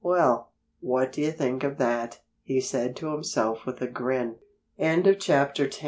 "Well, what do you think of that?" he said to himself with a grin. *XI* *A VERY